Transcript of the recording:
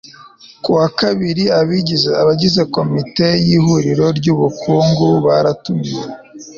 ku wa kabiri, abagize komite yihuriro ry'ubukungu baratumiwe